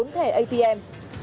bốn thẻ atm